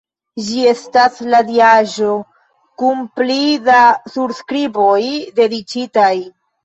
Ĝi estas la diaĵo kun pli da surskriboj dediĉitaj.